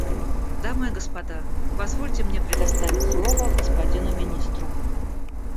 Дамы и господа, позвольте мне предоставить слово господину Министру.